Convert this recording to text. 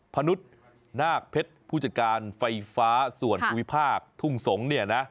พนุษย์นาคเพชรผู้จัดการไฟฟ้าส่วนภูมิภาคทุ่งสงศ์เนี่ยนะ